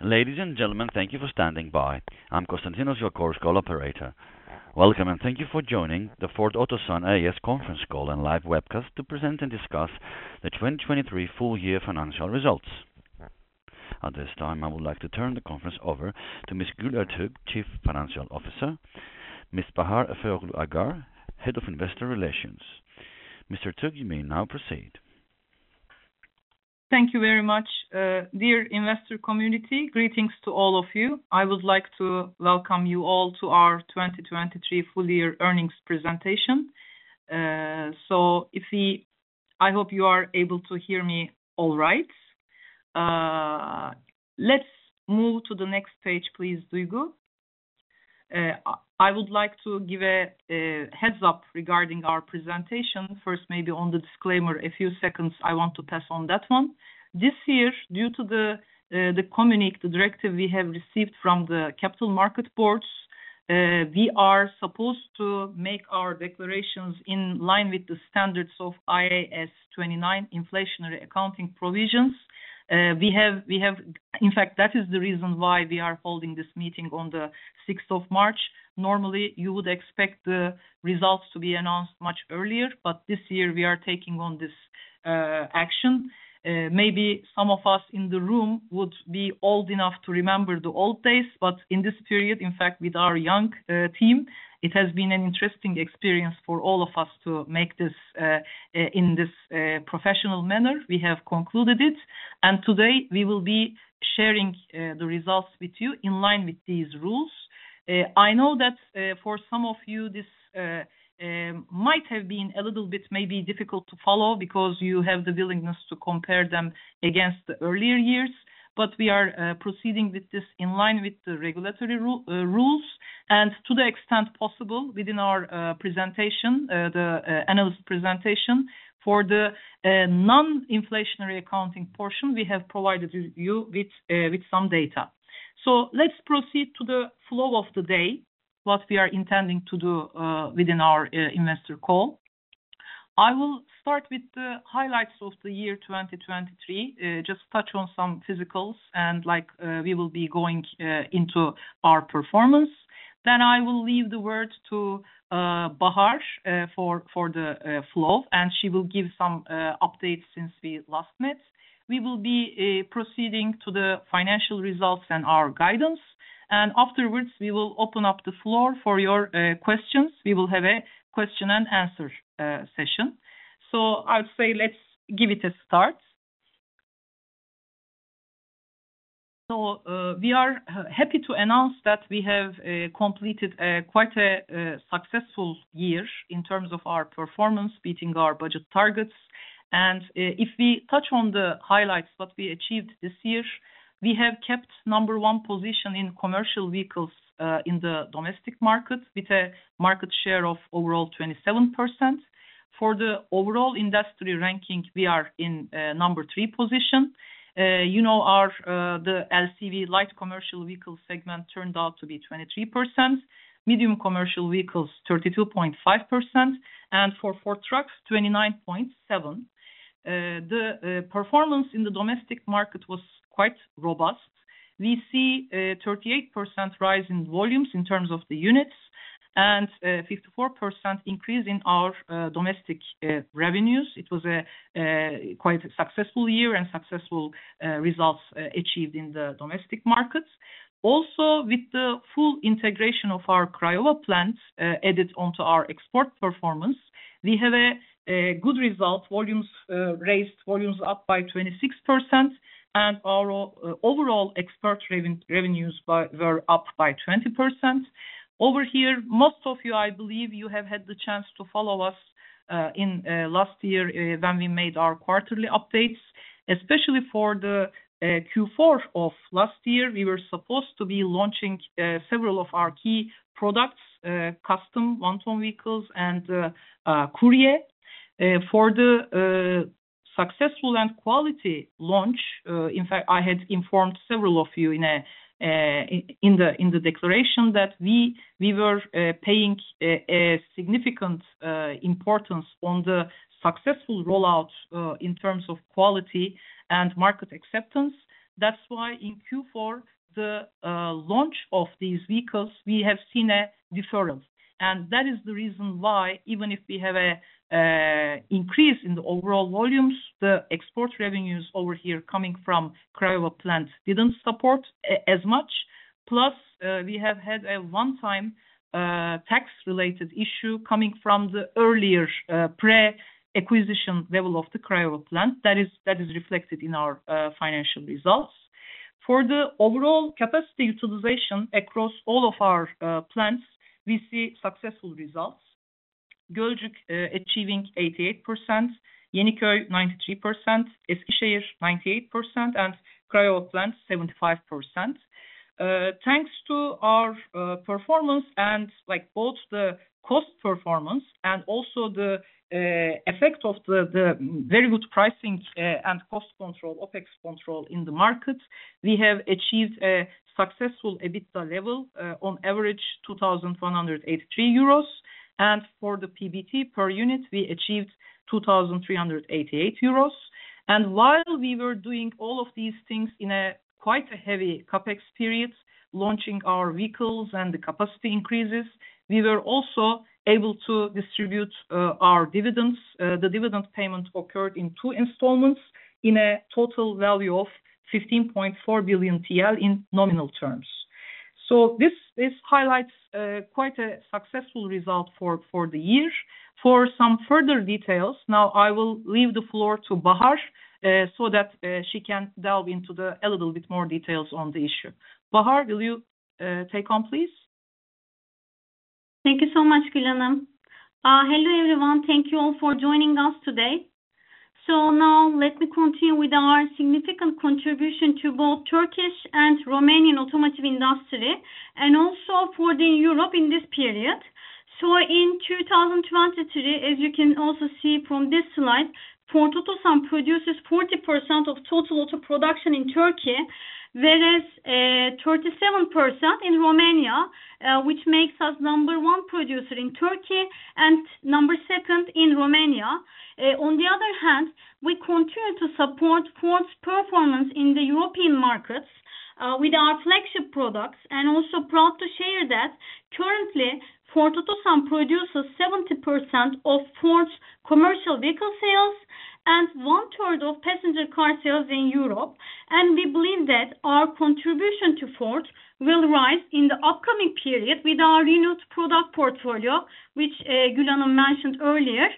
Ladies and gentlemen, thank you for standing by. I'm Constantinos, your core call operator. Welcome, and thank you for joining the Ford Otosan A.Ş. conference call and live webcast to present and discuss the 2023 full year financial results. At this time, I would like to turn the conference over to Ms. Gül Ertuğ, Chief Financial Officer, Bahar Efeoğlu Ağar, Head of Investor Relations. Ms. Ertuğ, you may now proceed. Thank you very much. Dear investor community, greetings to all of you. I would like to welcome you all to our 2023 full year earnings presentation. I hope you are able to hear me all right. Let's move to the next page, please, Duygu. I would like to give a heads-up regarding our presentation. First, maybe on the disclaimer, a few seconds I want to pass on that one. This year, due to the communique, the directive we have received from the Capital Markets Board, we are supposed to make our declarations in line with the standards of IAS 29, inflationary accounting provisions. In fact, that is the reason why we are holding this meeting on the sixth of March. Normally, you would expect the results to be announced much earlier, but this year we are taking on this action. Maybe some of us in the room would be old enough to remember the old days, but in this period, in fact, with our young team, it has been an interesting experience for all of us to make this in this professional manner. We have concluded it. Today, we will be sharing the results with you in line with these rules. I know that, for some of you, this might have been a little bit maybe difficult to follow because you have the willingness to compare them against the earlier years, but we are proceeding with this in line with the regulatory rules. To the extent possible within our presentation, the analyst presentation, for the non-inflationary accounting portion, we have provided you with some data. Let's proceed to the flow of the day, what we are intending to do within our investor call. I will start with the highlights of the year 2023, just touch on some physicals and like we will be going into our performance. I will leave the word to Bahar for the flow, and she will give some updates since we last met. We will be proceeding to the financial results and our guidance. Afterwards, we will open up the floor for your questions. We will have a question and answer session. I'll say let's give it a start. We are happy to announce that we have completed quite a successful year in terms of our performance, beating our budget targets. If we touch on the highlights, what we achieved this year, we have kept number-one position in commercial vehicles in the domestic market with a market share of overall 27%. For the overall industry ranking, we are in number-three position. You know, our LCV, light commercial vehicle segment turned out to be 23%, medium commercial vehicles, 32.5%, and for Ford Trucks, 29.7%. Performance in the domestic market was quite robust. We see a 38% rise in volumes in terms of the units and a 54% increase in our domestic revenues. It was quite a successful year and results achieved in the domestic markets. Also, with the full integration of our Craiova plants added onto our export performance, we have a good result. Volumes up by 26% and our overall export revenues were up by 20%. Over here, most of you, I believe, have had the chance to follow us in last year when we made our quarterly updates. Especially for the Q4 of last year, we were supposed to be launching several of our key products, Custom 1-ton vehicles and Courier. For the successful and quality launch, in fact, I had informed several of you in the declaration that we were paying a significant importance on the successful rollout in terms of quality and market acceptance. That's why in Q4, the launch of these vehicles, we have seen a deferral. That is the reason why even if we have an increase in the overall volumes, the export revenues over here coming from Craiova Plant didn't support as much. Plus, we have had a one-time tax-related issue coming from the earlier pre-acquisition level of the Craiova Plant. That is reflected in our financial results. For the overall capacity utilization across all of our plants, we see successful results. Gölcük, achieving 88%, Yeniköy 93%, Eskişehir 98%, and Craiova Plant 75%. Thanks to our performance and like both the cost performance and also the effect of the very good pricing and cost control, OpEx control in the market, we have achieved a successful EBITDA level, on average 2,183 euros. For the PBT per unit, we achieved 2,388 euros. While we were doing all of these things in quite a heavy CapEx periods, launching our vehicles and the capacity increases, we were also able to distribute our dividends. The dividend payment occurred in two installments in a total value of 15.4 billion TL in nominal terms. This highlights quite a successful result for the year. For some further details, now I will leave the floor to Bahar, so that she can delve into a little bit more details on the issue. Bahar, will you take over, please? Thank you so much, Gül Ertuğ. Hello, everyone. Thank you all for joining us today. Now let me continue with our significant contribution to both Turkish and Romanian automotive industry and also for the Europe in this period. In 2023, as you can also see from this slide, Ford Otosan produces 40% of total auto production in Turkey, whereas 37% in Romania, which makes us number one producer in Turkey and number two in Romania. On the other hand, we continue to support Ford's performance in the European markets with our flagship products, and also proud to share that currently Ford Otosan produces 70% of Ford's commercial vehicle sales and 1/3 of passenger car sales in Europe. We believe that our contribution to Ford will rise in the upcoming period with our renewed product portfolio, which Gül Ertuğ mentioned earlier.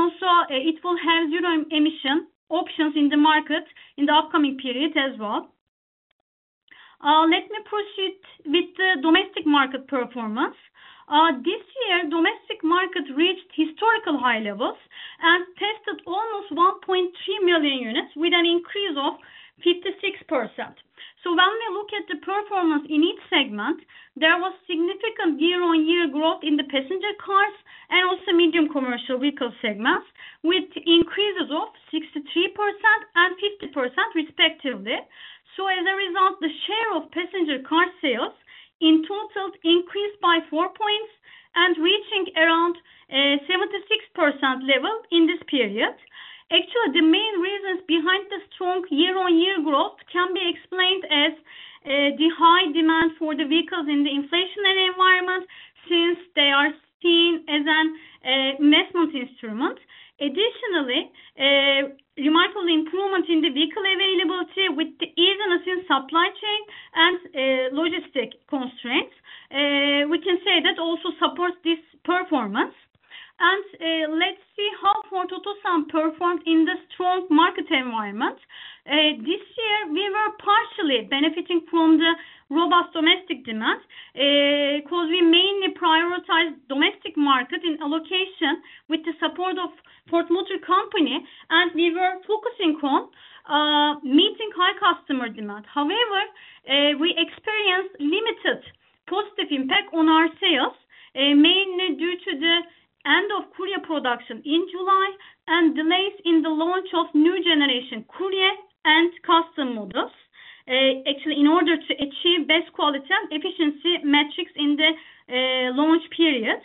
Also it will have zero emission options in the market in the upcoming period as well. Let me proceed with the domestic market performance. This year, domestic market reached historical high levels and tested almost 1.3 million units with an increase of 56%. When we look at the performance in each segment, there was significant year-on-year growth in the passenger cars and also medium commercial vehicle segments, with increases of 63% and 50% respectively. As a result, the share of passenger car sales in total increased by four points and reaching around 76% level in this period. Actually, the main reasons behind the strong year-on-year growth can be explained as, the high demand for the vehicles in the inflationary environment since they are seen as an, investment instrument. Additionally, remarkable improvement in the vehicle availability with the easing supply chain and, logistic constraints. We can say that also supports this performance. Let's see how Ford Otosan performed in the strong market environment. This year we were partially benefiting from the robust domestic demand, because we mainly prioritize domestic market in allocation with the support of Ford Motor Company, and we were focusing on, meeting high customer demand. However, we experienced limited positive impact on our sales, mainly due to the end of Courier production in July and delays in the launch of new generation Courier and Custom models. Actually, in order to achieve best quality and efficiency metrics in the launch period.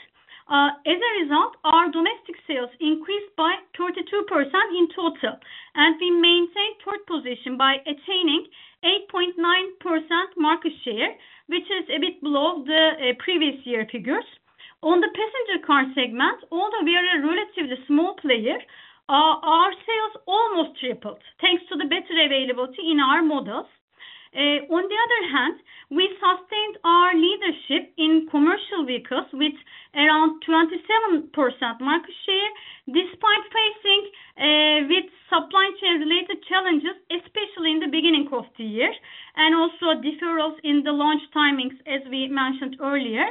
As a result, our domestic sales increased by 32% in total, and we maintained third position by attaining 8.9% market share, which is a bit below the previous year figures. On the passenger car segment, although we are a relatively small player, our sales almost tripled thanks to the better availability in our models. On the other hand, we sustained our leadership in commercial vehicles with around 27% market share, despite facing with supply chain related challenges, especially in the beginning of the year, and also deferrals in the launch timings, as we mentioned earlier.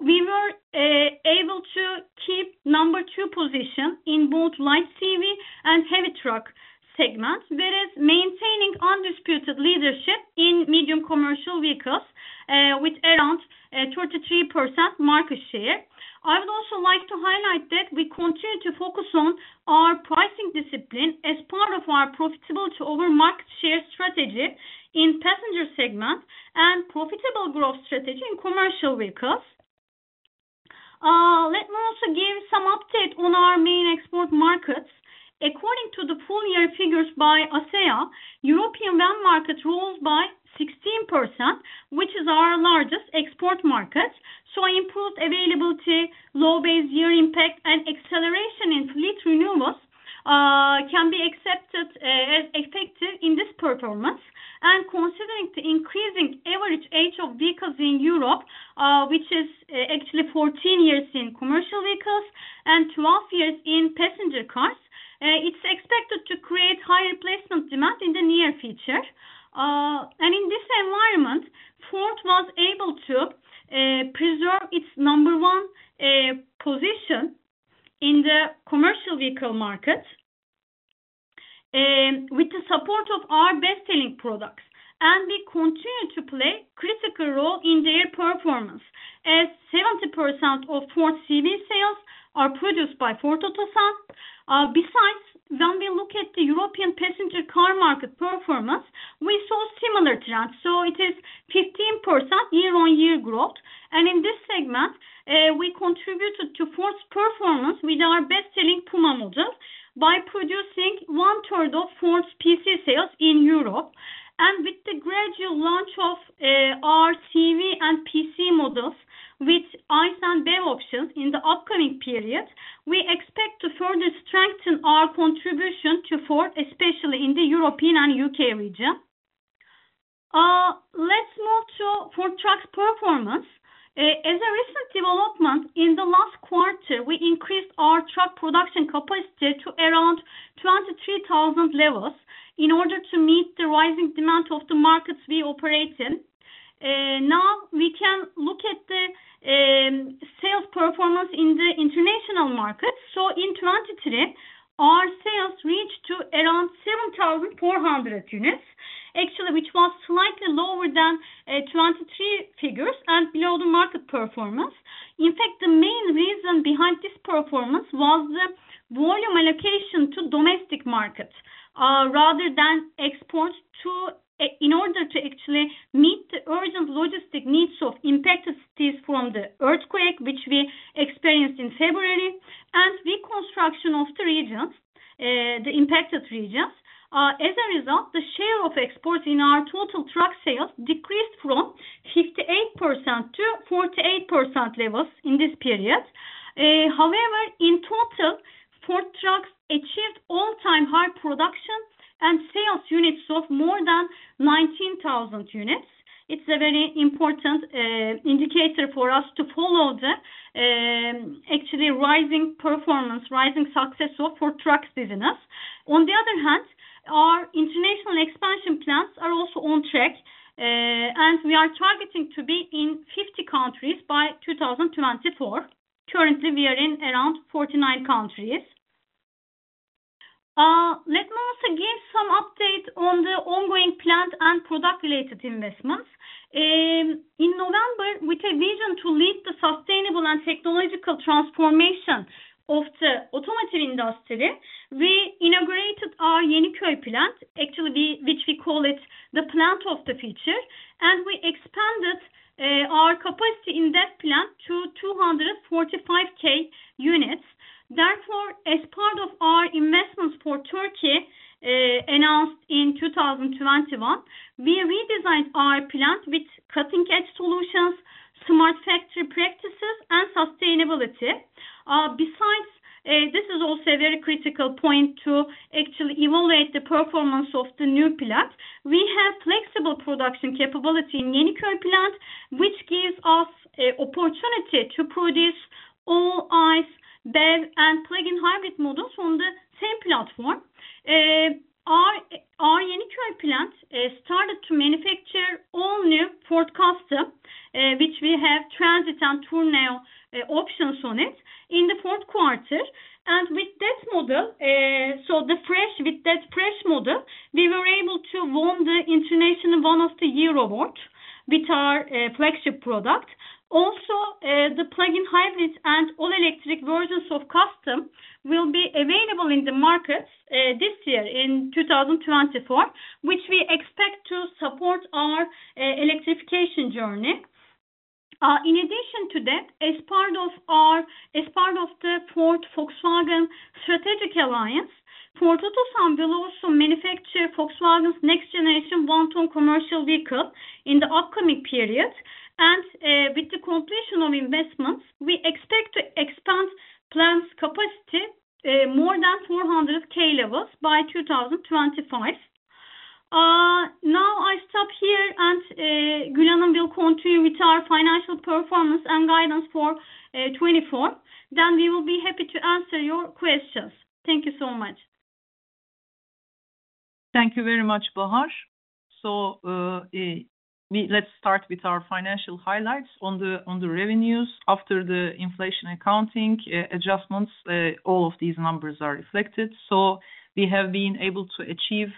We were able to keep number two position in both light CV and heavy truck segments, whereas maintaining undisputed leadership in medium commercial vehicles with around 23% market share. I would also like to highlight that we continue to focus on our pricing discipline as part of our profitable-to-grow market share strategy in passenger segment and profitable growth strategy in commercial vehicles. Let me also give some update on our main export markets. According to the full year figures by ACEA, European van market rose by 16%, which is our largest export market. Improved availability, low base year impact, the impacted regions. As a result, the share of exports in our total truck sales decreased from 58% to 48% levels in this period. However, in total, Ford Trucks achieved all-time high production and sales units of more than 19,000 units. It's a very important indicator for us to follow the actually rising performance, rising success of Ford Trucks business. On the other hand, our international expansion plans are also on track, and we are targeting to be in 50 countries by 2024. Currently, we are in around 49 countries. Let me also give some update on the ongoing plant and product-related investments. In November, with a vision to lead the sustainable and technological transformation of the automotive industry, we integrated our Yeniköy plant, which we call it the plant of the future, and we expanded our capacity in that plant to 245K units. Therefore, as part of our investments for Turkey, announced in 2021, we redesigned our plant with cutting-edge solutions, smart factory practices and sustainability. Besides, this is also a very critical point to actually evaluate the performance of the new plant. We have flexible production capability in Yeniköy plant, which gives us opportunity to produce all ICE, BEV, and plug-in hybrid models on the same platform. Our Yeniköy plant started to manufacture all-new Ford Custom, which we have Transit and Tourneo options on it in the fourth quarter. With that fresh model, we were able to won the International Van of the Year award with our flagship product. Also, the plug-in hybrids and all-electric versions of Custom will be available in the markets this year in 2024, which we expect to support our electrification journey. In addition to that, as part of the Ford Volkswagen strategic alliance, Ford Otosan will also manufacture Volkswagen's next-generation 1-ton commercial vehicle in the upcoming period. With the completion of investments, we expect to expand plant's capacity more than 400K levels by 2025. Now I stop here, and Gül Ertuğ will continue with our financial performance and guidance for 2024. We will be happy to answer your questions. Thank you so much. Thank you very much, Bahar. Let's start with our financial highlights on the revenues. After the inflation accounting adjustments, all of these numbers are reflected. We have been able to achieve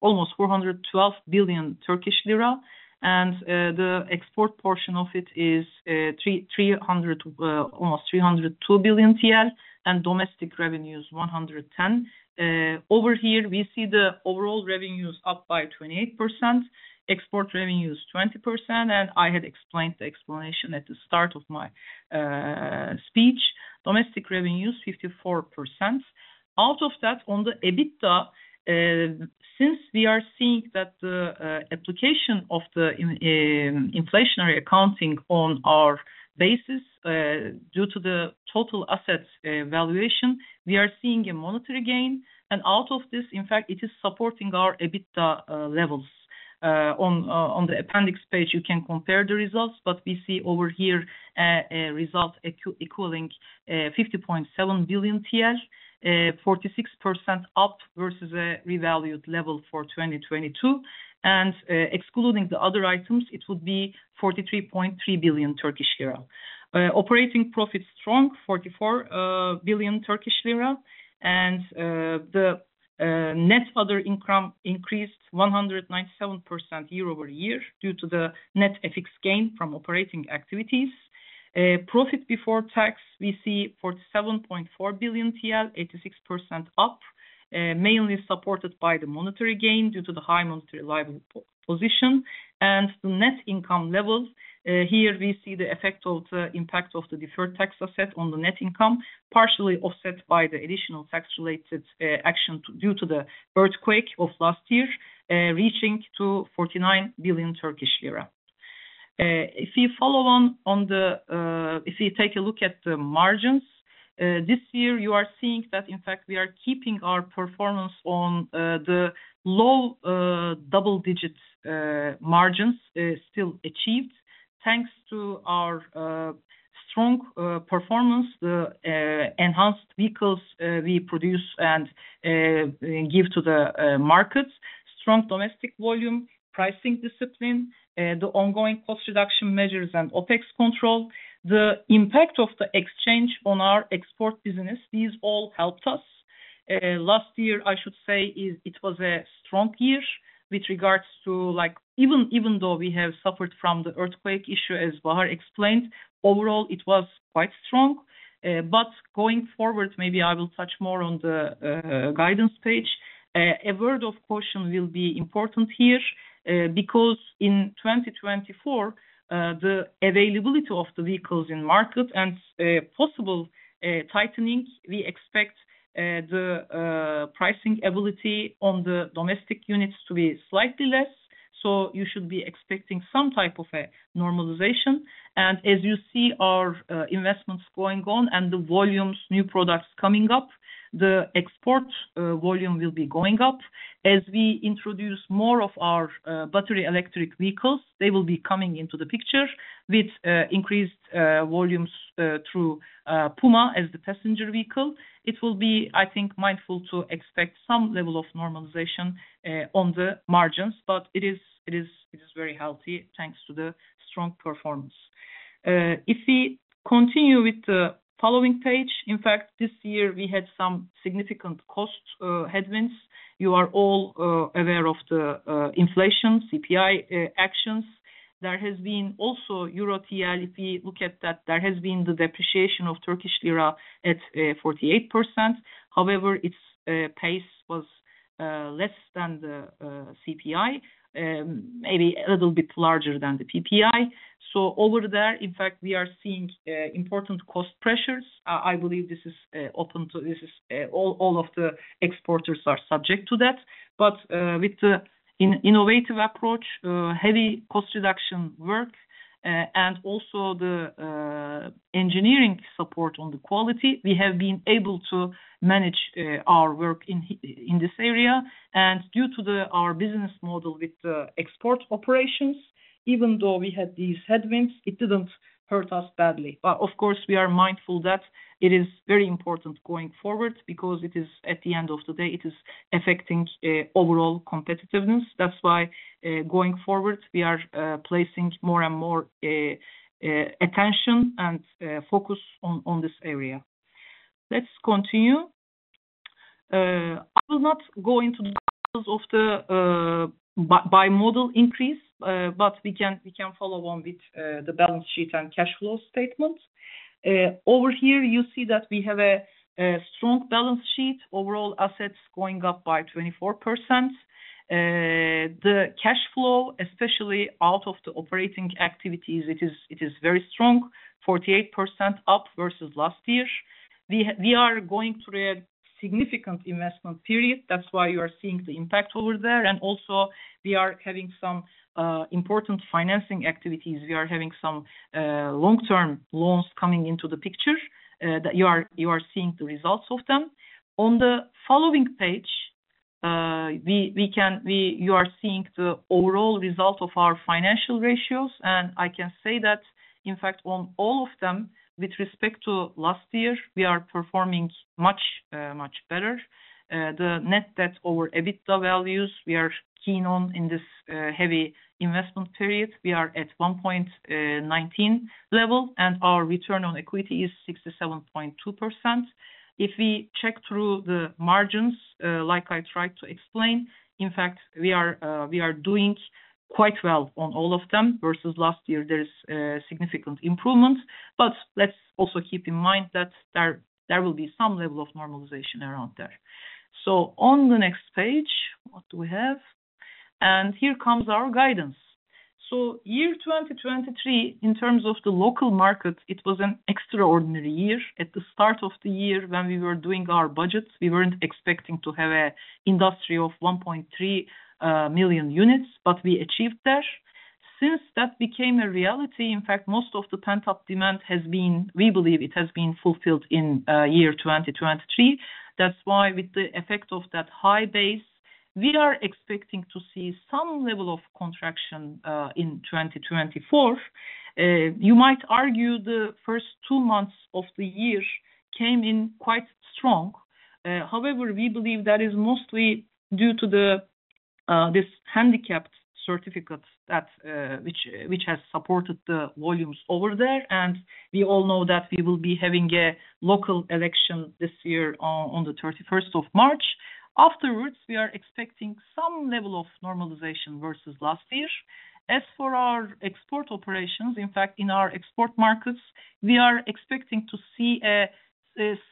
almost 412 billion Turkish lira, and the export portion of it is almost 302 billion TL, and domestic revenue is 110 billion. Over here, we see the overall revenue is up by 28%, export revenue is 20%, and I had explained the explanation at the start of my speech. Domestic revenue is 54%. Out of that, on the EBITDA, since we are seeing that the application of the inflationary accounting on our basis, due to the total assets valuation, we are seeing a monetary gain. Out of this, in fact, it is supporting our EBITDA levels. On the appendix page, you can compare the results, but we see over here a result equaling 50.7 billion TL, 46% up versus a revalued level for 2022. Excluding the other items, it would be 43.3 billion Turkish lira. Operating profit strong, 44 billion Turkish lira. The net other income increased 197% year-over-year due to the net FX gain from operating activities. Profit before tax, we see 47.4 billion TL, 86% up. Mainly supported by the monetary gain due to the high monetary liability position and the net income levels. Here we see the effect of the impact of the deferred tax asset on the net income, partially offset by the additional tax-related action due to the earthquake of last year, reaching 49 billion Turkish lira. If you take a look at the margins, this year you are seeing that in fact we are keeping our performance on the low double digits margins still achieved. Thanks to our strong performance, the enhanced vehicles we produce and give to the markets. Strong domestic volume, pricing discipline, the ongoing cost reduction measures and OpEx control. The impact of the exchange on our export business, these all helped us. Last year, I should say, it was a strong year with regards to, like, even though we have suffered from the earthquake issue, as Bahar explained, overall it was quite strong. Going forward, maybe I will touch more on the guidance page. A word of caution will be important here, because in 2024, the availability of the vehicles in market and possible tightening, we expect the pricing ability on the domestic units to be slightly less. You should be expecting some type of a normalization. As you see our investments going on and the volumes, new products coming up, the export volume will be going up. As we introduce more of our battery electric vehicles, they will be coming into the picture with increased volumes through Puma as the passenger vehicle. It will be, I think, mindful to expect some level of normalization on the margins, but it is very healthy thanks to the strong performance. If we continue with the following page, in fact, this year we had some significant cost headwinds. You are all aware of the inflation, CPI, actions. There has been also EUR/TRY. If you look at that, there has been the depreciation of Turkish lira at 48%. However, its pace was less than the CPI, maybe a little bit larger than the PPI. Over there, in fact, we are seeing important cost pressures. I believe this is all of the exporters are subject to that. With the innovative approach, heavy cost reduction work, and also the engineering support on the quality, we have been able to manage our work in this area. Due to our business model with the export operations, even though we had these headwinds, it didn't hurt us badly. Of course, we are mindful that it is very important going forward because it is, at the end of the day, it is affecting overall competitiveness. That's why, going forward, we are placing more and more attention and focus on this area. Let's continue. I will not go into details of the by model increase, but we can follow on with the balance sheet and cash flow statement. Over here, you see that we have a strong balance sheet, overall assets going up by 24%. The cash flow, especially out of the operating activities, it is very strong, 48% up versus last year. We are going through a significant investment period. That's why you are seeing the impact over there. Also we are having some important financing activities. We are having some long-term loans coming into the picture, that you are seeing the results of them. On the following page, you are seeing the overall result of our financial ratios. I can say that, in fact, on all of them with respect to last year, we are performing much better. The net debt over EBITDA values, we are keen on in this heavy investment period. We are at 1.19 level, and our return on equity is 67.2%. If we check through the margins, like I tried to explain, in fact, we are doing quite well on all of them versus last year. There's significant improvement, but let's also keep in mind that there will be some level of normalization around there. On the next page, what do we have? Here comes our guidance. 2023, in terms of the local market, it was an extraordinary year. At the start of the year when we were doing our budgets, we weren't expecting to have an industry of 1.3 million units, but we achieved that. Since that became a reality, in fact, most of the pent-up demand has been, we believe it has been fulfilled in 2023. That's why with the effect of that high base, we are expecting to see some level of contraction in 2024. You might argue the first two months of the year came in quite strong. However, we believe that is mostly due to this handicapped certificate that which has supported the volumes over there. We all know that we will be having a local election this year on the thirty-first of March. Afterwards, we are expecting some level of normalization versus last year. As for our export operations, in fact, in our export markets, we are expecting to see a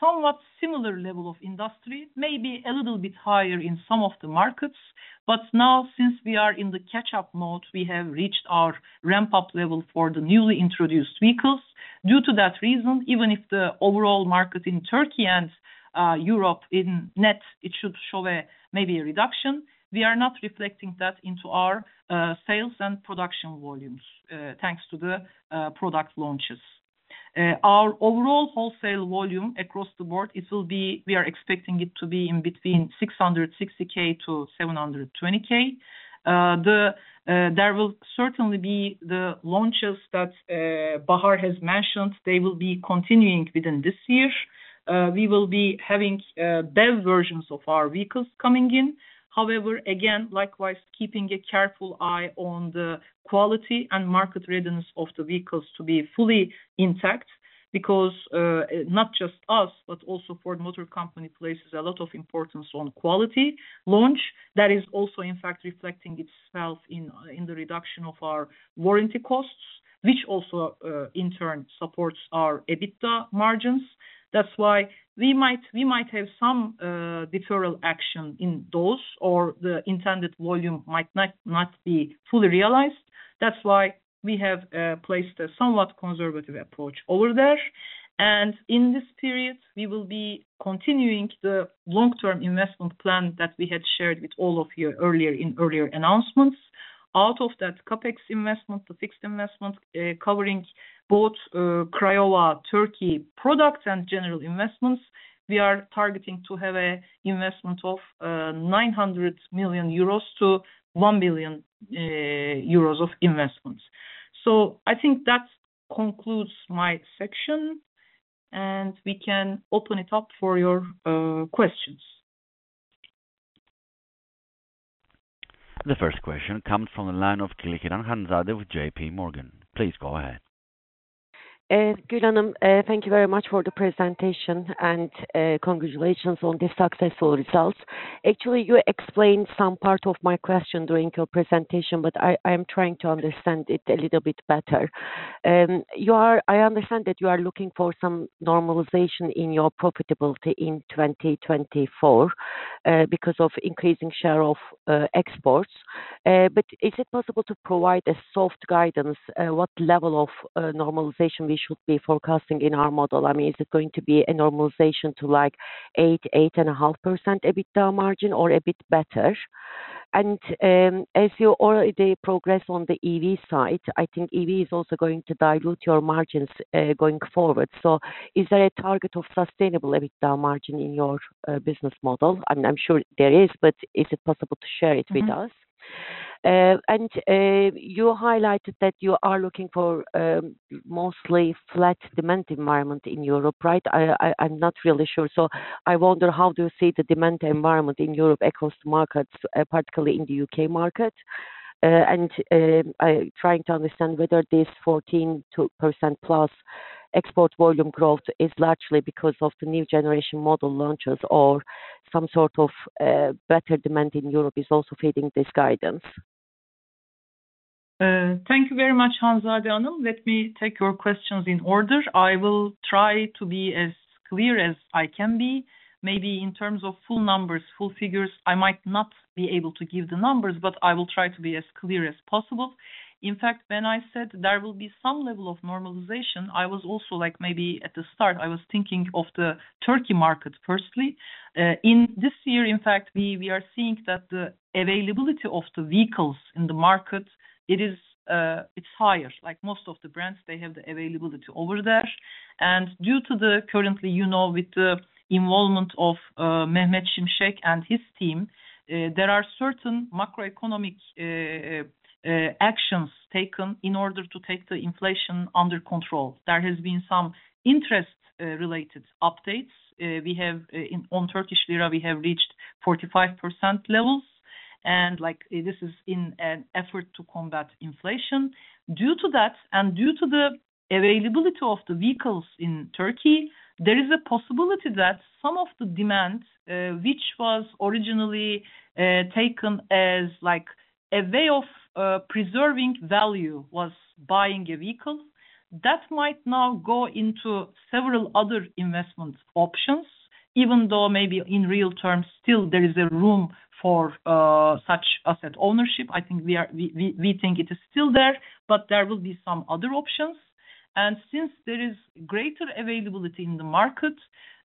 somewhat similar level of industry, maybe a little bit higher in some of the markets. Now, since we are in the catch-up mode, we have reached our ramp-up level for the newly introduced vehicles. Due to that reason, even if the overall market in Turkey and Europe in net, it should show, maybe, a reduction. We are not reflecting that into our sales and production volumes, thanks to the product launches. Our overall wholesale volume across the board. We are expecting it to be in between 660,000-720,000. There will certainly be the launches that Bahar has mentioned. They will be continuing within this year. We will be having BEV versions of our vehicles coming in. However, again, likewise, keeping a careful eye on the quality and market readiness of the vehicles to be fully intact. Because not just us, but also Ford Motor Company places a lot of importance on quality launch. That is also, in fact, reflecting itself in the reduction of our warranty costs, which also, in turn supports our EBITDA margins. That's why we might have some deferral action in those, or the intended volume might not be fully realized. That's why we have placed a somewhat conservative approach over there. In this period, we will be continuing the long-term investment plan that we had shared with all of you earlier in announcements. Out of that CapEx investment, the fixed investment, covering both Craiova, Turkish products and general investments, we are targeting to have an investment of 900 million-1 billion euros of investments. I think that concludes my section, and we can open it up for your questions. The first question comes from the line of Hanzade Kılıçkıran with J.P. Morgan. Please go ahead. Gül and Bahar, thank you very much for the presentation and congratulations on the successful results. Actually, you explained some part of my question during your presentation, but I am trying to understand it a little bit better. I understand that you are looking for some normalization in your profitability in 2024, because of increasing share of exports. Is it possible to provide a soft guidance, what level of normalization we should be forecasting in our model? I mean, is it going to be a normalization to like 8%-8.5% EBITDA margin or a bit better? As you already progress on the EV side, I think EV is also going to dilute your margins, going forward. Is there a target of sustainable EBITDA margin in your business model? I'm sure there is, but is it possible to share it with us? You highlighted that you are looking for mostly flat demand environment in Europe, right? I'm not really sure. I wonder, how do you see the demand environment in Europe across markets, particularly in the UK market? I'm trying to understand whether this 14%+ export volume growth is largely because of the new generation model launches or some sort of better demand in Europe is also feeding this guidance. Thank you very much, Hanzade again. Let me take your questions in order. I will try to be as clear as I can be. Maybe in terms of full numbers, full figures, I might not be able to give the numbers, but I will try to be as clear as possible. In fact, when I said there will be some level of normalization, I was also like, maybe at the start, I was thinking of the Turkey market, firstly. In this year, in fact, we are seeing that the availability of the vehicles in the market, it is higher. Like most of the brands, they have the availability over there. Due to the current, you know, with the involvement of Mehmet Şimşek and his team, there are certain macroeconomic actions taken in order to take the inflation under control. There has been some interest related updates. We have on Turkish lira reached 45% levels, and like this is in an effort to combat inflation. Due to that and due to the availability of the vehicles in Turkey, there is a possibility that some of the demand, which was originally taken as like a way of preserving value was buying a vehicle. That might now go into several other investment options, even though maybe in real terms still there is a room for such asset ownership. I think we think it is still there, but there will be some other options. Since there is greater availability in the market,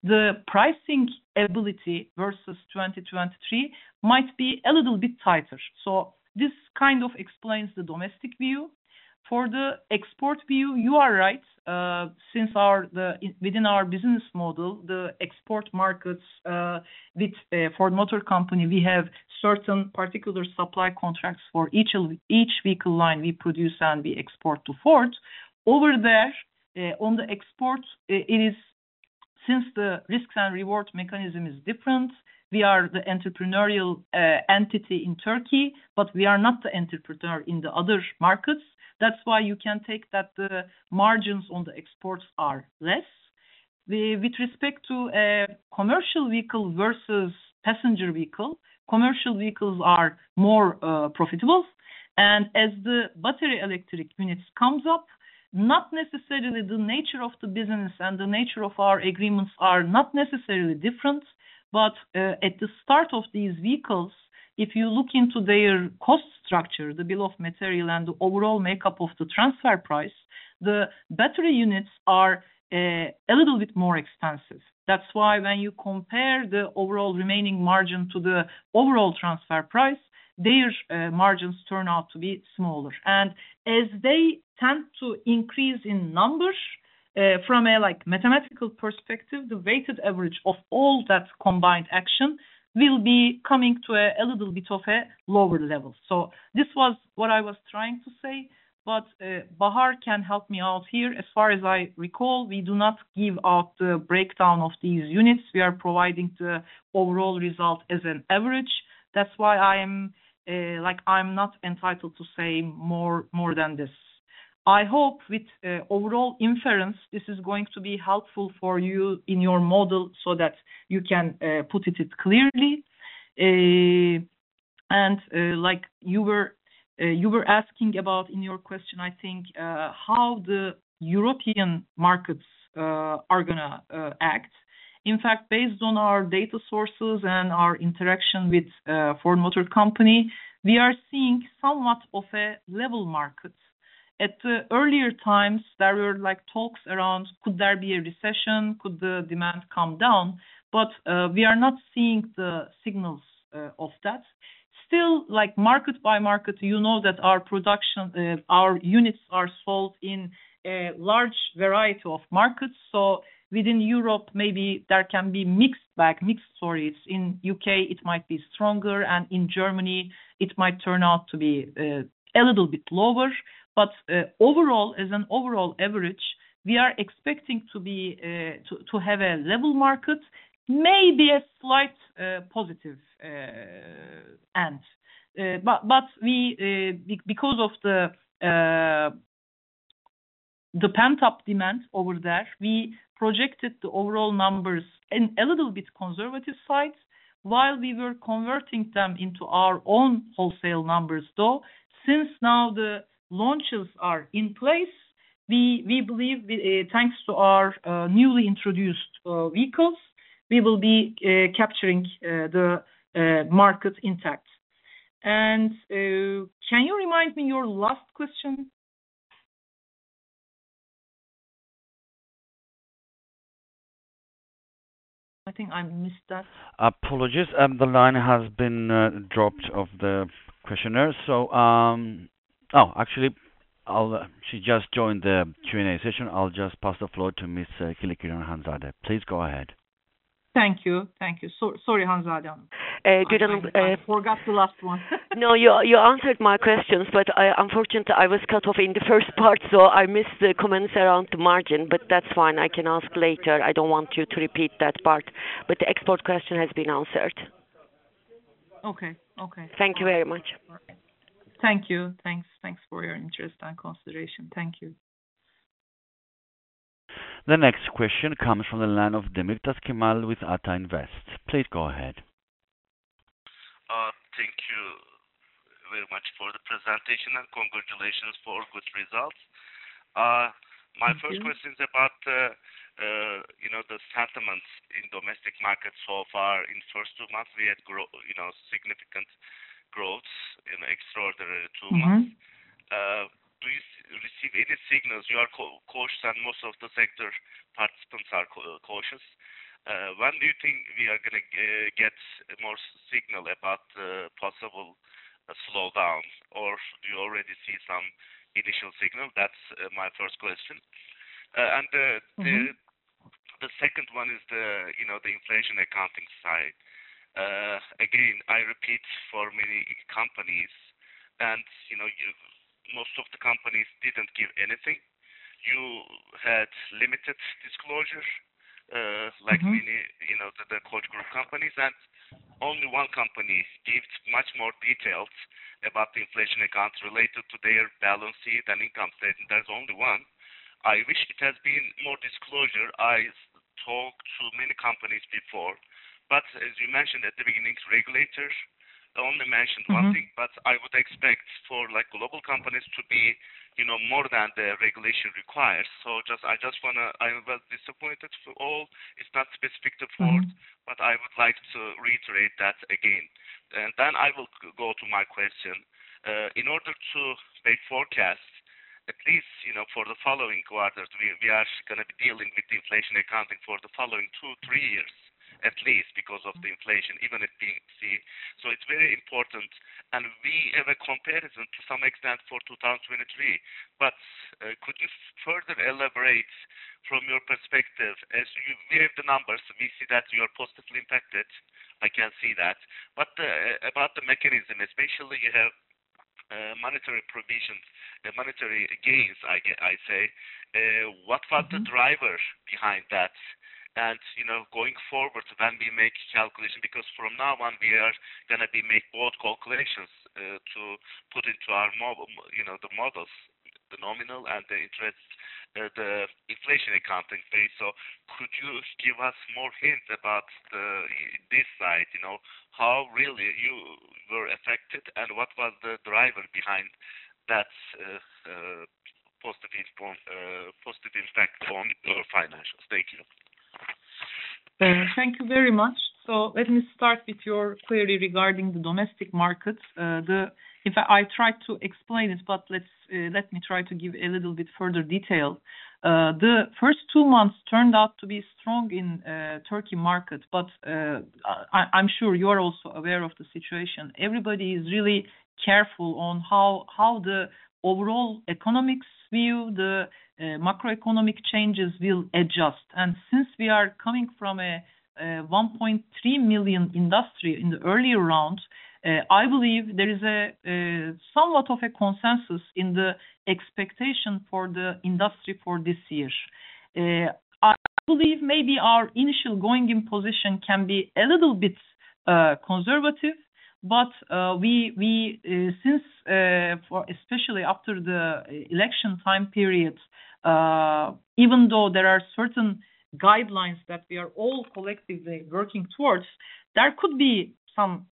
the pricing ability versus 2023 might be a little bit tighter. This kind of explains the domestic view. For the export view, you are right, since within our business model, the export markets with Ford Motor Company, we have certain particular supply contracts for each vehicle line we produce and we export to Ford. Over there, on the exports, it is, since the risks and rewards mechanism is different, we are the entrepreneurial entity in Turkey, but we are not the entrepreneur in the other markets. That's why you can take that the margins on the exports are less. With respect to commercial vehicle versus passenger vehicle, commercial vehicles are more profitable. As the battery electric units comes up, not necessarily the nature of the business and the nature of our agreements are not necessarily different. At the start of these vehicles, if you look into their cost structure, the bill of material and the overall makeup of the transfer price, the battery units are a little bit more expensive. That's why when you compare the overall remaining margin to the overall transfer price, their margins turn out to be smaller. As they tend to increase in numbers, from a like mathematical perspective, the weighted average of all that combined action will be coming to a little bit of a lower level. This was what I was trying to say, but Bahar can help me out here. As far as I recall, we do not give out the breakdown of these units. We are providing the overall result as an average. That's why I'm not entitled to say more than this. I hope with overall inference, this is going to be helpful for you in your model so that you can put it clearly. Like you were asking about in your question, I think how the European markets are going to act. In fact, based on our data sources and our interaction with Ford Motor Company, we are seeing somewhat of a level market. At the earlier times, there were like talks around could there be a recession, could the demand come down. We are not seeing the signals of that. Still, like market by market, you know that our production, our units are sold in a large variety of markets. Within Europe, maybe there can be mixed bag, mixed stories. In U.K., it might be stronger, and in Germany it might turn out to be a little bit lower. Overall, as an overall average, we are expecting to be to have a level market, maybe a slight positive end. Because of the pent-up demand over there, we projected the overall numbers in a little bit conservative sides while we were converting them into our own wholesale numbers. Since now the launches are in place, we believe, thanks to our newly introduced vehicles, we will be capturing the market intact. Can you remind me your last question? I think I missed that. Apologies. The line has been dropped for the questioner. Oh, actually, she just joined the Q&A session. I'll just pass the floor to Ms. Hanzade Kılıçkıran. Please go ahead. Thank you. Sorry, Hanzade. Uh, did- I forgot the last one. No, you answered my questions, but I unfortunately was cut off in the first part, so I missed the comments around the margin. That's fine, I can ask later. I don't want you to repeat that part. The export question has been answered. Okay. Okay. Thank you very much. Thank you. Thanks. Thanks for your interest and consideration. Thank you. The next question comes from the line of Cemal Demirtaş with Ata Invest. Please go ahead. Thank you very much for the presentation and congratulations for good results. My first question is about, you know, the sales in domestic market so far. In first two months we had growth, you know, significant growth in extraordinary two months. Mm-hmm. Do you receive any signals? You are cautious and most of the sector participants are cautious. When do you think we are going to get more signal about possible slowdown? Or should you already see some initial signal? That's my first question. The second one is, you know, the inflation accounting side. Again, I repeat for many companies and, you know, you, most of the companies didn't give anything. You had limited disclosure, like many. Mm-hmm You know, the Koç Group companies and only one company gives much more details about the inflation accounts related to their balance sheet and income statement. There's only one. I wish it has been more disclosure. I talked to many companies before, but as you mentioned at the beginning, regulators only mentioned one thing. Mm-hmm. I would expect for like global companies to be, you know, more than the regulation requires. I just want to. I was disappointed for all. It's not specific to Ford. Mm-hmm. I would like to reiterate that again. I will go to my question. In order to make forecasts, at least, you know, for the following quarters, we are going to be dealing with inflation accounting for the following two, three years at least because of the inflation, even if we see. It's very important and we have a comparison to some extent for 2023. Could you further elaborate from your perspective as you give the numbers, we see that you are positively impacted. I can see that. About the mechanism especially you have, monetary provisions, monetary gains, what are the drivers behind that? Going forward when we make calculation because from now on we are going to be make bold calculations to put into our model, you know, the models. The nominal and the interest, the inflation accounting IAS. Could you give us more hints about this side, you know, how really you were affected and what was the driver behind that positive impact on your financials? Thank you. Thank you very much. Let me start with your query regarding the domestic markets. In fact, I tried to explain it, but let me try to give a little bit further detail. The first two months turned out to be strong in the Turkey market, but I'm sure you're also aware of the situation. Everybody is really careful on how the overall economists view the macroeconomic changes will adjust. Since we are coming from a 1.3 million industry in the earlier rounds, I believe there is somewhat of a consensus in the expectation for the industry for this year. I believe maybe our initial going-in position can be a little bit conservative, but we since for especially after the election time period, even though there are certain guidelines that we are all collectively working towards, there could be some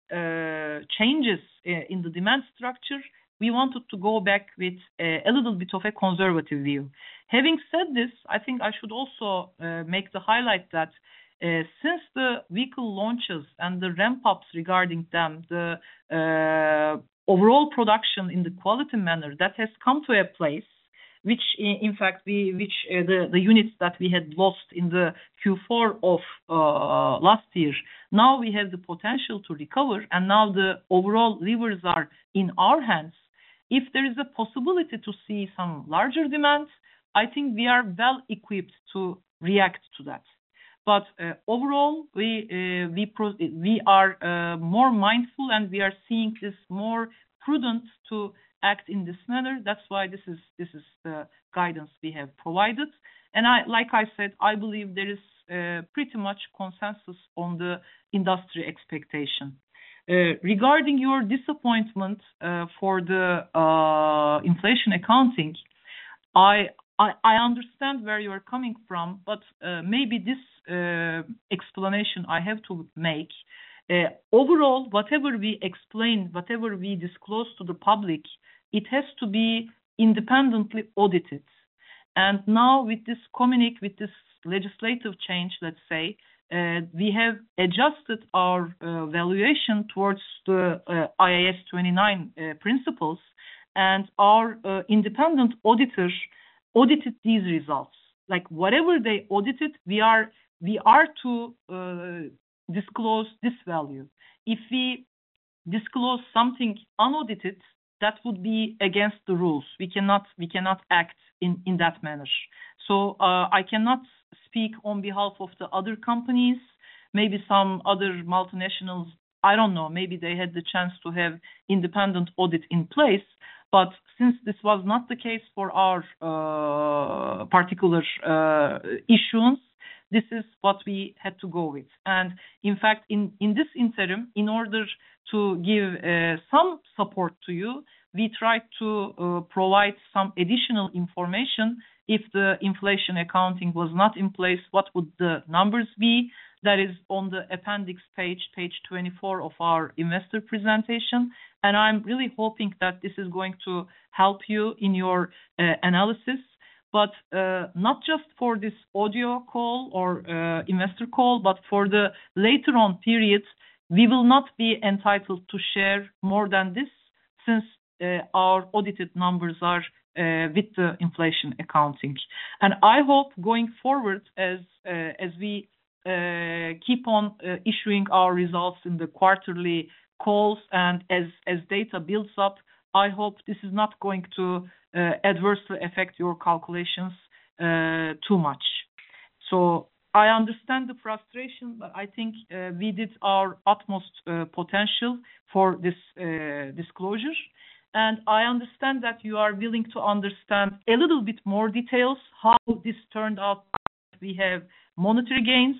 changes in the demand structure. We wanted to go back with a little bit of a conservative view. Having said this, I think I should also make the highlight that since the vehicle launches and the ramp-ups regarding them, the overall production in the quality manner that has come to a place which in fact the units that we had lost in the Q4 of last year now we have the potential to recover, and now the overall levers are in our hands. If there is a possibility to see some larger demands, I think we are well equipped to react to that. Overall, we are more mindful, and we are seeing this more prudent to act in this manner. That's why this is the guidance we have provided. Like I said, I believe there is pretty much consensus on the industry expectation. Regarding your disappointment for the inflation accounting, I understand where you're coming from, but maybe this explanation I have to make. Overall, whatever we explain, whatever we disclose to the public, it has to be independently audited. Now with this communiqué, with this legislative change, let's say, we have adjusted our valuation towards the IAS 29 principles, and our independent auditors audited these results. Like, whatever they audited, we are to disclose this value. If we disclose something unaudited, that would be against the rules. We cannot act in that manner. I cannot speak on behalf of the other companies. Maybe some other multinationals, I don't know, maybe they had the chance to have independent audit in place. Since this was not the case for our particular issuance, this is what we had to go with. In fact, in this interim, in order to give some support to you, we tried to provide some additional information. If the inflation accounting was not in place, what would the numbers be? That is on the appendix page 24 of our investor presentation. I'm really hoping that this is going to help you in your analysis. Not just for this audio call or investor call, but for the later on periods, we will not be entitled to share more than this since our audited numbers are with the inflation accounting. I hope going forward as we keep on issuing our results in the quarterly calls and as data builds up, I hope this is not going to adversely affect your calculations too much. I understand the frustration, but I think we did our utmost potential for this disclosure. I understand that you are willing to understand a little bit more details how this turned out that we have monetary gains.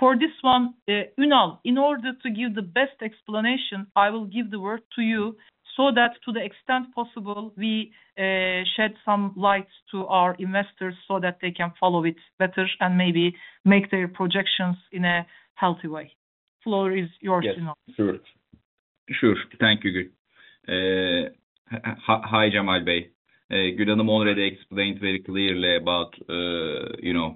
For this one, Ünal, in order to give the best explanation, I will give the word to you so that to the extent possible, we shed some lights to our investors so that they can follow it better and maybe make their projections in a healthy way. Floor is yours, Ünal. Yes, sure. Sure. Thank you. Hi Cemal. Gül Ertuğ already explained very clearly about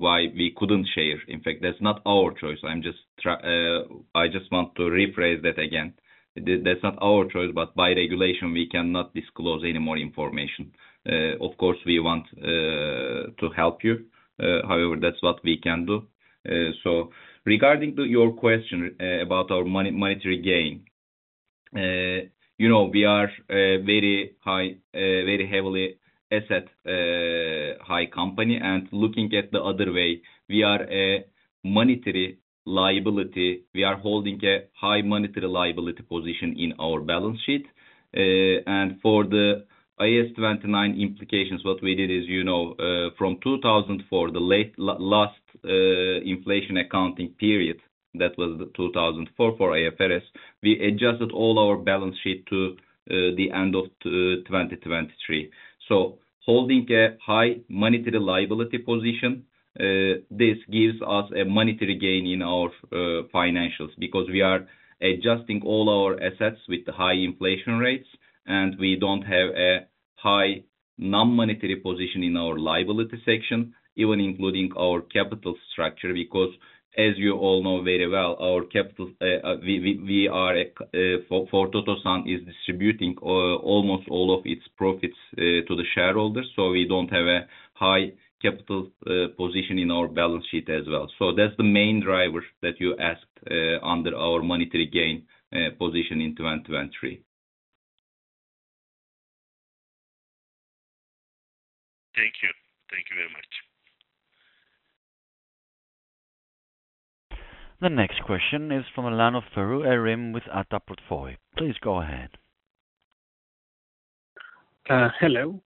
why we couldn't share. In fact, that's not our choice. I just want to rephrase that again. That's not our choice, but by regulation, we cannot disclose any more information. Of course, we want to help you. However, that's what we can do. So regarding to your question about our monetary gain, we are a very high, very heavily asset, high company. Looking at the other way, we are a monetary liability. We are holding a high monetary liability position in our balance sheet. For the IAS 29 implications, what we did is, you know, from 2004, the last inflation accounting period, that was the 2004 for IFRS, we adjusted all our balance sheet to the end of 2023. Holding a high monetary liability position, this gives us a monetary gain in our financials because we are adjusting all our assets with the high inflation rates, and we don't have a high non-monetary position in our liability section, even including our capital structure. As you all know very well, our capital, Ford Otosan is distributing almost all of its profits to the shareholders, so we don't have a high capital position in our balance sheet as well. That's the main driver that you asked under our margin position in 2023. Thank you. Thank you very much. The next question is from the line of Faruk Erim with Ata Portfoy. Please go ahead. Hello.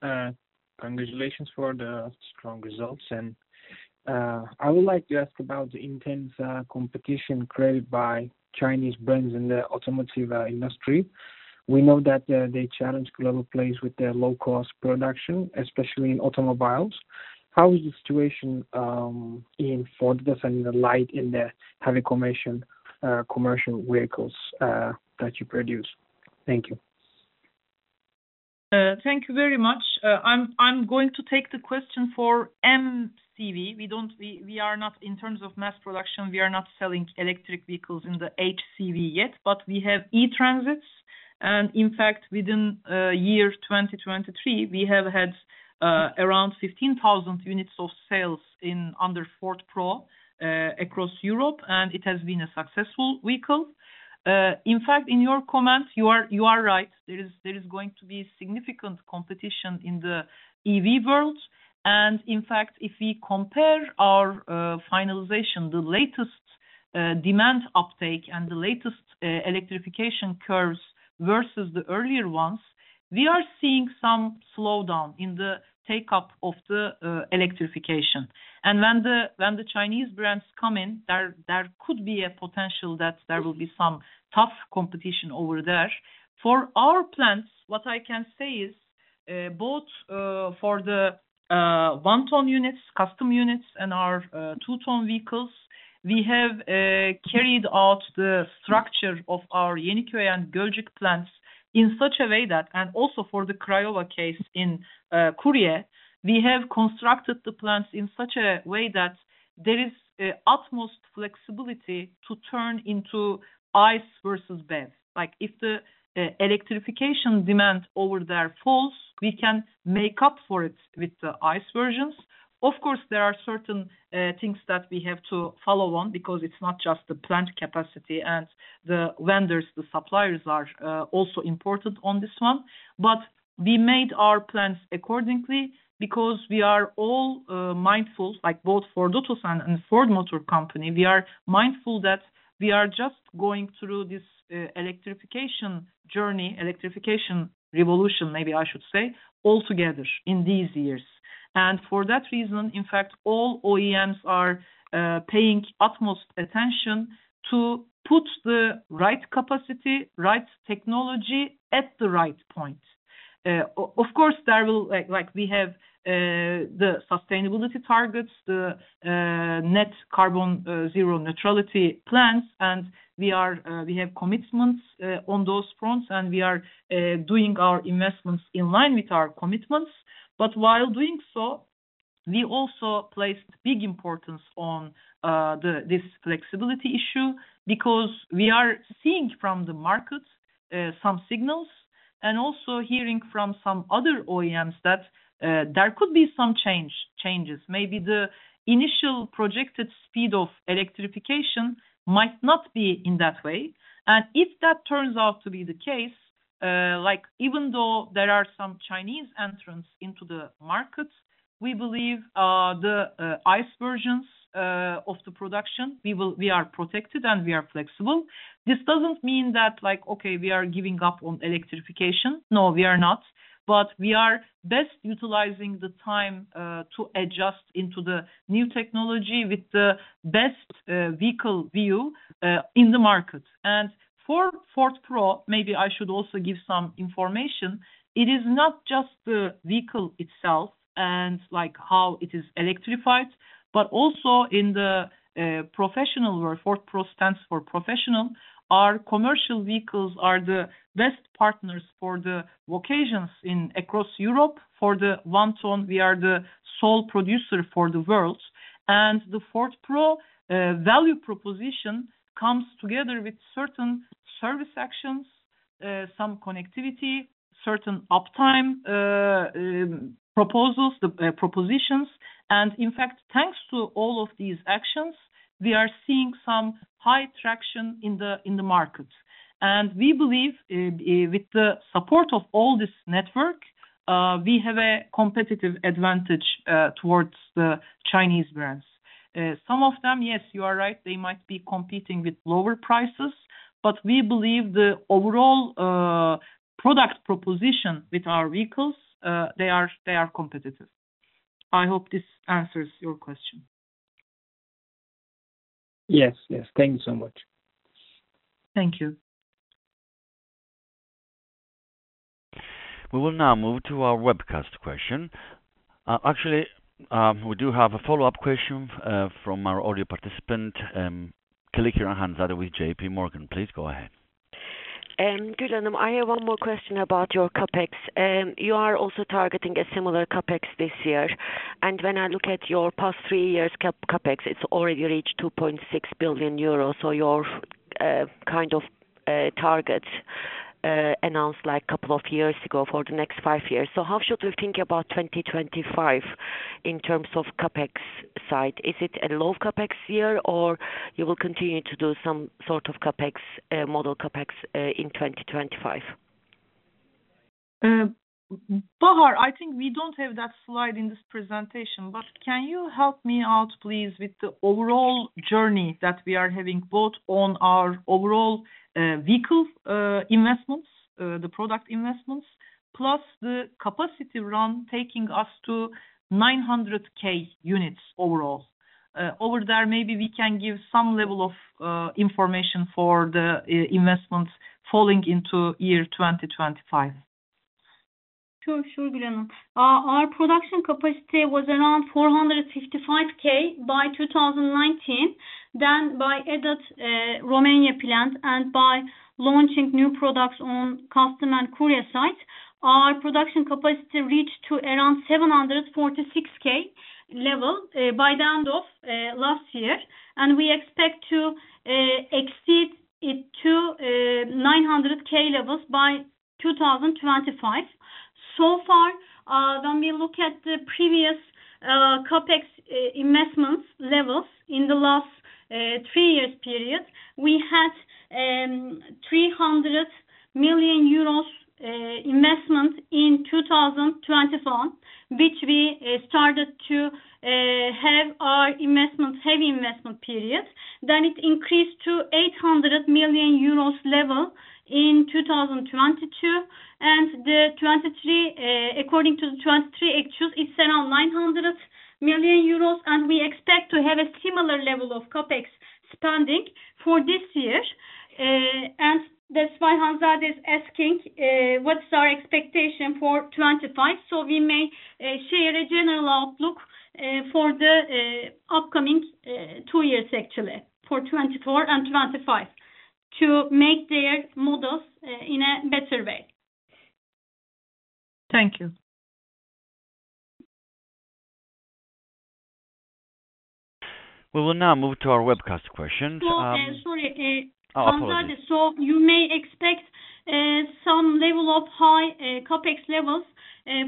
Congratulations for the strong results. I would like to ask about the intense competition created by Chinese brands in the automotive industry. We know that they challenge global players with their low-cost production, especially in automobiles. How is the situation in Ford Otosan and the light and heavy commercial vehicles that you produce? Thank you. Thank you very much. I'm going to take the question for MCV. We are not in terms of mass production, we are not selling electric vehicles in the HCV yet, but we have E-Transit. In fact, within 2023, we have had around 15,000 units of sales under Ford Pro across Europe, and it has been a successful vehicle. In fact, in your comments, you are right. There is going to be significant competition in the EV world. In fact, if we compare our finalization, the latest demand uptake and the latest electrification curves versus the earlier ones, we are seeing some slowdown in the take-up of the electrification. When the Chinese brands come in, there could be a potential that there will be some tough competition over there. For our plans, what I can say is both for the 1-ton units, Custom units and our 2-ton vehicles, we have carried out the structure of our Yeniköy and Gölcük plants in such a way that, and also for the Craiova case in Romania, we have constructed the plants in such a way that there is utmost flexibility to turn into ICE versus BEV. Like, if the electrification demand over there falls, we can make up for it with the ICE versions. Of course, there are certain things that we have to follow on because it's not just the plant capacity and the vendors, the suppliers are also important on this one. We made our plans accordingly because we are all mindful, like both Ford Otosan and Ford Motor Company, we are mindful that we are just going through this electrification journey, electrification revolution, maybe I should say, all together in these years. For that reason, in fact, all OEMs are paying utmost attention to put the right capacity, right technology at the right point. Of course, there will. Like we have the sustainability targets, the net carbon zero neutrality plans, and we have commitments on those fronts, and we are doing our investments in line with our commitments. While doing so, we also placed big importance on this flexibility issue because we are seeing from the markets some signals and also hearing from some other OEMs that there could be some changes. Maybe the initial projected speed of electrification might not be in that way. If that turns out to be the case, like even though there are some Chinese entrants into the markets, we believe the ICE versions of the production, we are protected and we are flexible. This doesn't mean that like, okay, we are giving up on electrification. No, we are not. We are best utilizing the time to adjust into the new technology with the best vehicle view in the market. For Ford Pro, maybe I should also give some information. It is not just the vehicle itself and like how it is electrified, but also in the professional world, Ford Pro stands for professional. Our commercial vehicles are the best partners for the vocations across Europe. For the 1-ton, we are the sole producer for the world. The Ford Pro value proposition comes together with certain service actions, some connectivity, certain uptime, propositions. In fact, thanks to all of these actions, we are seeing some high traction in the market. We believe with the support of all this network, we have a competitive advantage towards the Chinese brands. Some of them, yes, you are right, they might be competing with lower prices, but we believe the overall product proposition with our vehicles, they are competitive. I hope this answers your question. Yes. Yes. Thank you so much. Thank you. We will now move to our webcast question. Actually, we do have a follow-up question from our audio participant, Hanzade Kılıçkıran with J.P. Morgan. Please go ahead. Good afternoon. I have one more question about your CapEx. You are also targeting a similar CapEx this year. When I look at your past three years CapEx, it's already reached 2.6 billion euros. Your kind of target announced like couple of years ago for the next five years. How should we think about 2025 in terms of CapEx side? Is it a low CapEx year or you will continue to do some sort of CapEx moderate CapEx in 2025? Bahar, I think we don't have that slide in this presentation, but can you help me out, please, with the overall journey that we are having both on our overall vehicle investments, the product investments, plus the capacity run taking us to 900K units overall. Over there, maybe we can give some level of information for the investments falling into 2025. Sure. Sure, Gül Ertuğ. Our production capacity was around 455K by 2019. We added Romania plant and by launching new products on Custom and Courier sites, our production capacity reached to around 746K level by the end of last year. We expect to exceed it to 900K levels by 2025. So far, when we look at the previous CapEx investments levels in the last three-year period, we had 300 million euros investment in 2021, which we started to have our investments heavy investment period. It increased to 800 million euros level in 2022, and 2023, according to the 2023 actual, it's around 900 million euros, and we expect to have a similar level of CapEx spending for this year. That's why Hanzade is asking, what's our expectation for 2025. We may share a general outlook for the upcoming two years actually, for 2024 and 2025 to make their models in a better way. Thank you. We will now move to our webcast question. Sorry. Oh, apologies. Hanzade Kılıçkıran. You may expect some level of high CapEx levels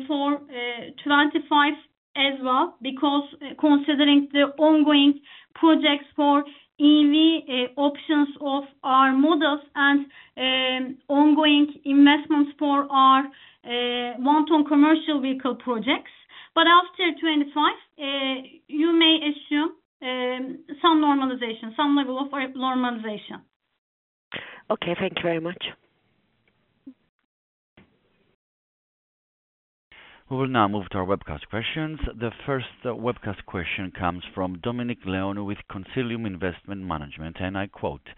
for 2025 as well because considering the ongoing projects for EV options of our models and ongoing investments for our 1-ton commercial vehicle projects. After 2025, you may assume some normalization, some level of normalization. Okay. Thank you very much. We will now move to our webcast questions. The first webcast question comes from Dominic Leone with Consilium Investment Management, and I quote,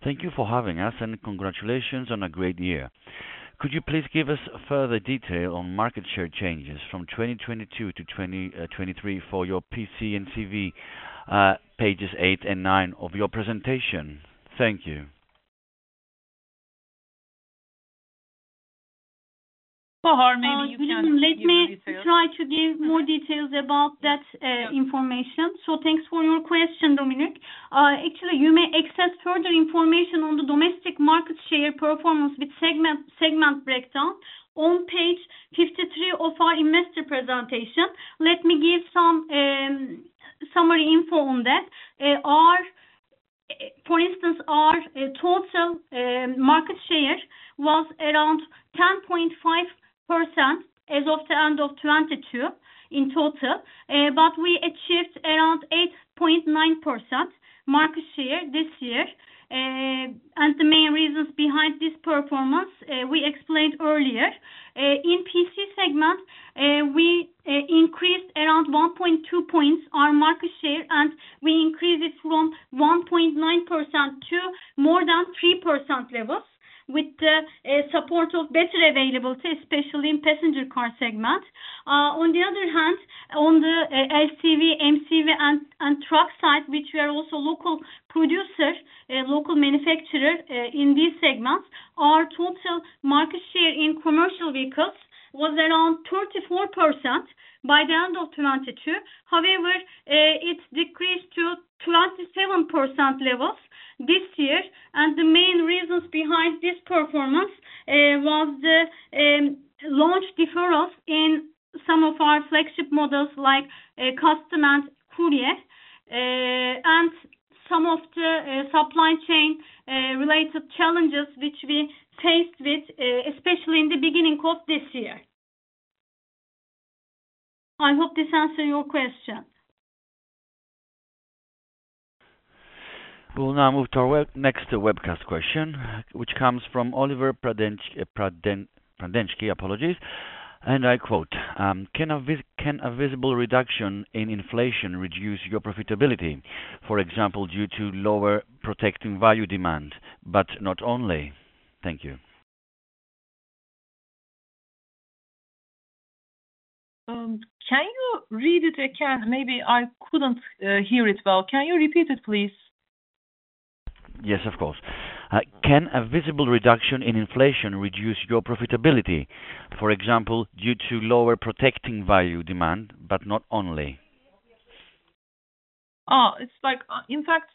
"Thank you for having us, and congratulations on a great year. Could you please give us further detail on market share changes from 2022 to 2023 for your PC and CV, pages eight and nine of your presentation? Thank you. Bahar, maybe you can give the details. Gül Ertuğ, let me try to give more details about that information. Thanks for your question, Dominic. Actually, you may access further information on the domestic market share performance with segment breakdown on page 53 of our investor presentation. Let me give some summary info on that. For instance, our total market share was around 10.5% as of the end of 2022 in total, but we achieved around 8.9% market share this year. The main reasons behind this performance we explained earlier. In PC segment, we increased around 1.2 points our market share, and we increased it from 1.9% to more than 3% levels with the support of better availability, especially in passenger car segment. On the other hand, on the LCV, MCV and truck side, which we are also local producer, local manufacturer, in these segments, our total market share in commercial vehicles was around 34% by the end of 2022. However, it decreased to 27% levels this year. The main reasons behind this performance was the launch deferrals in some of our flagship models like Custom and Courier, and some of the supply chain related challenges which we faced with, especially in the beginning of this year. I hope this answer your question. We will now move to our next webcast question, which comes from Oliver Pradencki, apologies. I quote, "Can a visible reduction in inflation reduce your profitability, for example, due to lower protecting value demand, but not only? Thank you. Can you read it again? Maybe I couldn't hear it well. Can you repeat it, please? Yes, of course. Can a visible reduction in inflation reduce your profitability, for example, due to lower protecting value demand, but not only? Oh, it's like, in fact,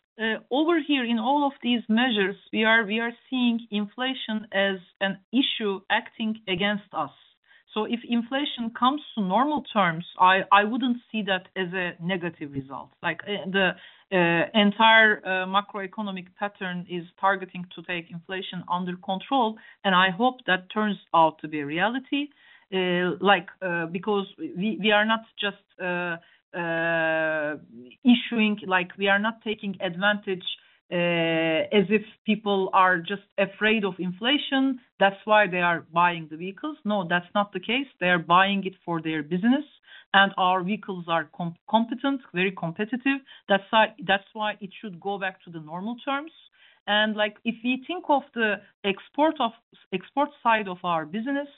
over here in all of these measures, we are seeing inflation as an issue acting against us. If inflation comes to normal terms, I wouldn't see that as a negative result. Like, the entire macroeconomic pattern is targeting to take inflation under control, and I hope that turns out to be a reality. Because we are not just taking advantage as if people are just afraid of inflation, that's why they are buying the vehicles. No, that's not the case. They are buying it for their business, and our vehicles are competitive, very competitive. That's why it should go back to the normal terms. Like, if you think of the export side of our business,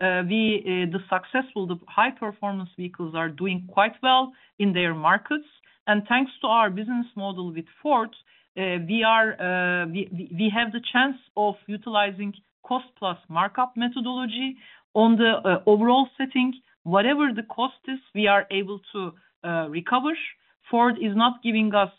the successful high performance vehicles are doing quite well in their markets. Thanks to our business model with Ford, we have the chance of utilizing cost-plus markup methodology on the overall setting. Whatever the cost is, we are able to recover. Ford is not giving us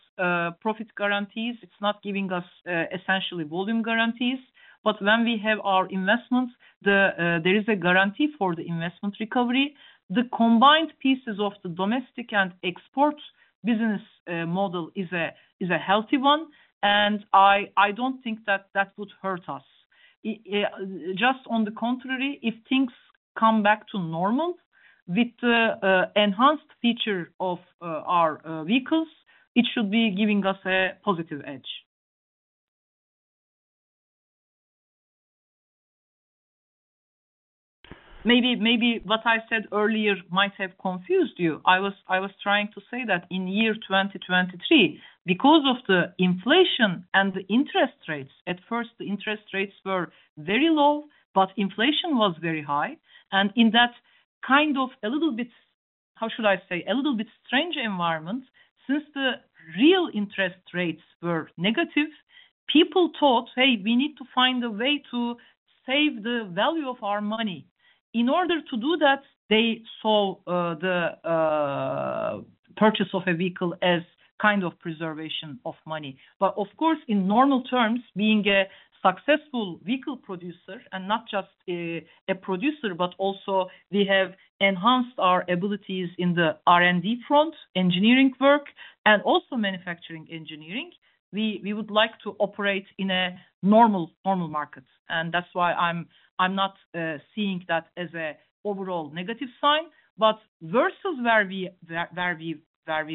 profit guarantees. It's not giving us essentially volume guarantees. When we have our investments, there is a guarantee for the investment recovery. The combined pieces of the domestic and export business model is a healthy one, and I don't think that would hurt us. Just on the contrary, if things come back to normal with the enhanced feature of our vehicles, it should be giving us a positive edge. Maybe what I said earlier might have confused you. I was trying to say that in year 2023, because of the inflation and the interest rates, at first the interest rates were very low, but inflation was very high. In that kind of a little bit, how should I say, a little bit strange environment, since the real interest rates were negative, people thought, "Hey, we need to find a way to save the value of our money." In order to do that, they saw the purchase of a vehicle as kind of preservation of money. Of course, in normal terms, being a successful vehicle producer and not just a producer, but also we have enhanced our abilities in the R&D front, engineering work, and also manufacturing engineering. We would like to operate in a normal market. That's why I'm not seeing that as an overall negative sign. Versus where we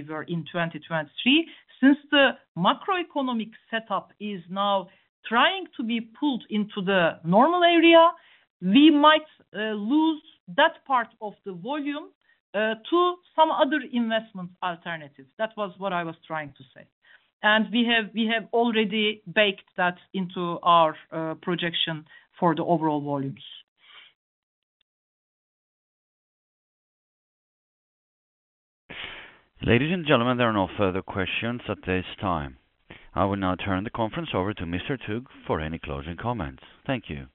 were in 2023, since the macroeconomic setup is now trying to be pulled into the normal area, we might lose that part of the volume to some other investment alternatives. That was what I was trying to say. We have already baked that into our projection for the overall volumes. Ladies and gentlemen, there are no further questions at this time. I will now turn the conference over to Ms. Gül Ertuğ for any closing comments. Thank you.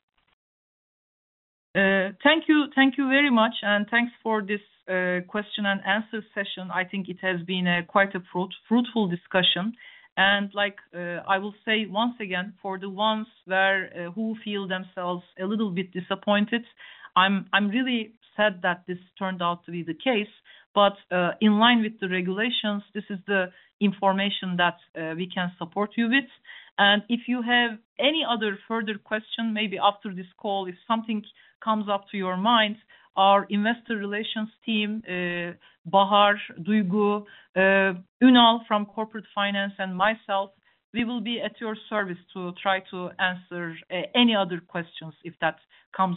Thank you. Thank you very much, and thanks for this question and answer session. I think it has been quite fruitful discussion. Like, I will say once again, for the ones who feel themselves a little bit disappointed, I'm really sad that this turned out to be the case. In line with the regulations, this is the information that we can support you with. If you have any other further question, maybe after this call, if something comes up to your mind, our investor relations team, Bahar, Duygu, Ünal from corporate finance and myself, we will be at your service to try to answer any other questions if that comes up.